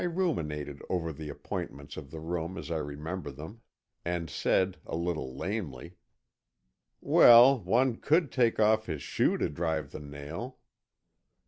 I ruminated over the appointments of the room as I remember them, and said, a little lamely, "Well, one could take off his shoe to drive the nail."